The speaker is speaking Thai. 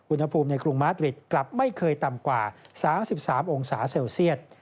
อุณหภูมิในกรุงมาร์ทริตกลับไม่เคยต่ำกว่า๓๓องศาเซลเซียต